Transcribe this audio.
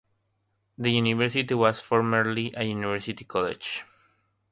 The university was formerly a university college.